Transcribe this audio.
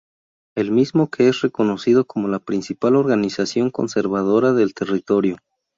El mismo que es reconocido como la principal organización conservadora del territorio.